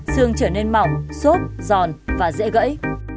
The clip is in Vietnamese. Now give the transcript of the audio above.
xương trở nên mỏng sốt giòn và dễ gãy